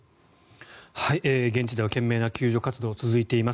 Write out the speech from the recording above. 現地では懸命な救助活動が続いています。